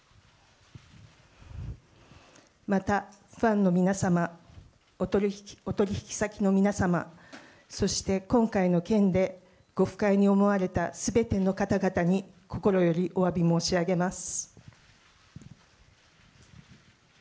またファンの皆様、お取り引き先の皆様、そして今回の件でご不快に思われたすべての方々に心よりおわび申し上げます。